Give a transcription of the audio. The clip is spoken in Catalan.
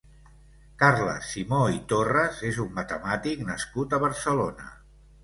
Carles Simó i Torres és un matemàtic nascut a Barcelona.